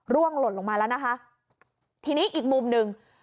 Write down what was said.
หล่นลงมาแล้วนะคะทีนี้อีกมุมหนึ่ง